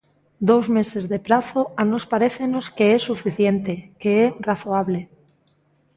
Dous meses de prazo a nós parécenos que é suficiente, que é razoable.